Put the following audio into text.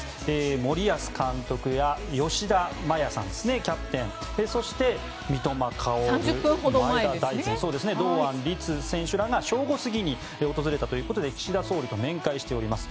森保監督や吉田麻也キャプテンそして三笘薫、前田大然堂安律選手らが正午過ぎに訪れたということで岸田総理と面会しております。